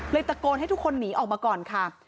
ตะโกนให้ทุกคนหนีออกมาก่อนค่ะ